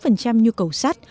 bảy mươi sáu nhu cầu sắt